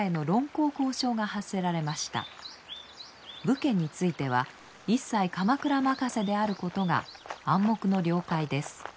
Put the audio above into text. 武家については一切鎌倉任せであることが暗黙の了解です。